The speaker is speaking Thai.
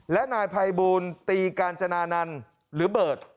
และนายภัยบูลตีกาญจนานันต์หรือเบิร์ต